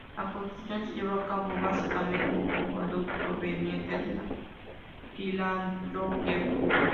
La construcción se llevó a cabo básicamente con fondos provenientes de la filantropía.